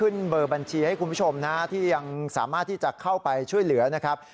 ขึ้นเบอร์บัญชีให้คุณผู้ชมที่ยังสามารถที่จะเข้าไปช่วยเหลือ